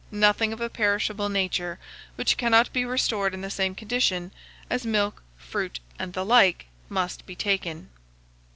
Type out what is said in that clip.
Nothing of a perishable nature, which cannot be restored in the same condition as milk, fruit, and the like, must be taken.